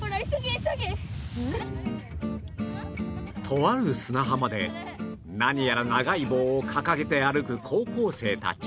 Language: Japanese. とある砂浜で何やら長い棒を掲げて歩く高校生たち